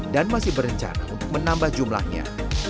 dan masih berencana untuk menambah jumlahnya